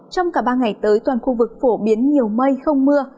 trong cả ba ngày tới toàn khu vực phổ biến nhiều mây không mưa